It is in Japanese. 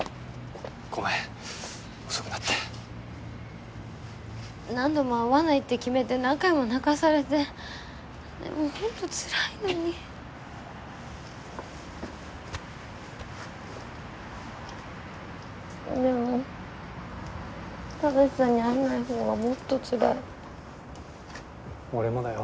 ごめん遅くなって何度も会わないって決めて何回も泣かされてでもほんとつらいのにでも正さんに会えないほうがもっとつらい俺もだよ